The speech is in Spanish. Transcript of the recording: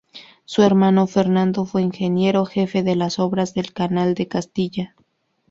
Su hermano Fernando fue ingeniero jefe de las obras del Canal de Castilla.